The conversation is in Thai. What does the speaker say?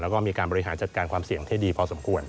แล้วก็มีการบริหารจัดการความเสี่ยงที่ดีพอสมควร